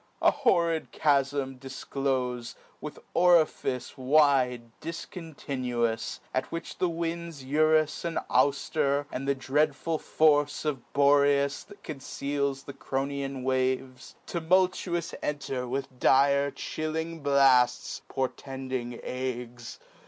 } An horrid chafm difclofe, with orifice, Wide, difcontinuous ; at which the winds Eurus and Aufter, and the dreadful force Of Boreas, that congeals the Cronian waves, Tumultuous enter with dire chilling blafts, Portending agues.